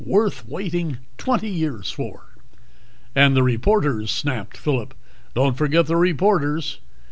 Worth waiting twenty years for." "And the reporters," snapped Phillip. "Don't forget the reporters."